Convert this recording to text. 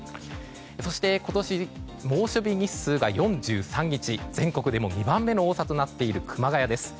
そして、今年猛暑日日数が４３日全国でも２番目の多さとなっている熊谷です。